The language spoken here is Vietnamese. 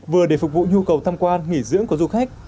vừa để phục vụ nhu cầu tham quan nghỉ dưỡng của du khách